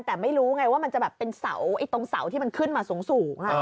แต่ไม่รู้ไงว่ามันจะแบบเป็นเสาตรงเสาที่มันขึ้นมาสูง